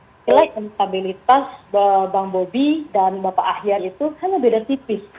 nilai instabilitas bang bobi dan bapak ahyar itu hanya beda tipis